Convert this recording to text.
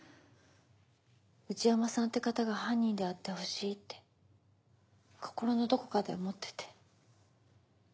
内山さんって方が犯人であってほしいって心のどこかで思ってて。